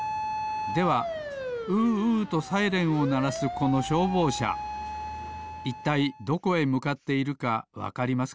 では「うーうー」とサイレンをならすこのしょうぼうしゃいったいどこへむかっているかわかりますか？